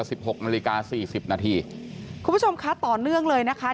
หกนาฬิกาสี่สิบนาทีคุณผู้ชมคะต่อเนื่องเลยนะคะ